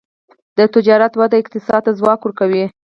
د تجارت وده اقتصاد ته ځواک ورکوي.